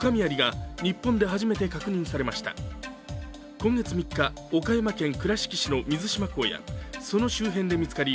今月３日、岡山県倉敷市の水島港やその周辺で見つかり